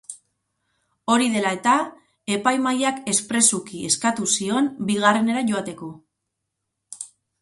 Hori dela eta, epaimahaiak espresuki eskatu zion bigarrenera joateko.